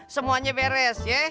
semuanya beres ya